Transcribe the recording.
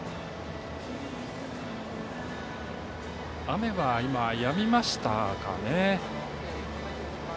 雨は今、やみましたかね。